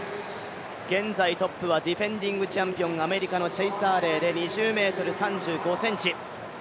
現在トップはディフェンディングチャンピオン、アメリカのチェイス・アーレイで２０ｍ３５ｃｍ。